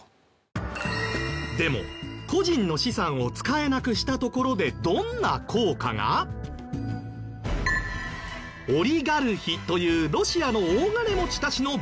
でも個人の資産を使えなくしたところでどんな効果が？オリガルヒというロシアの大金持ちたちの場合は。